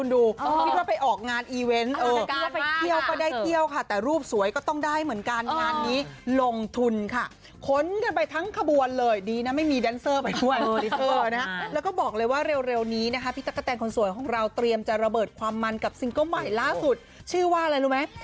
แล้วก็บอกเลยว่าเร็วนี้นะคะพี่ตั๊กกะแตนคนสวยของเราเตรียมจะระเบิดความมันกับซิงเกิ้ลใหม่ล่าสุดชื่อว่าอะไรรู้ไหม